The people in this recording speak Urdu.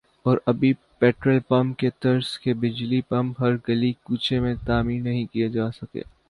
اور ابھی پیٹرل پمپ کی طرز کے بجلی پمپ ہر گلی کوچے میں تعمیر نہیں کئے جاسکے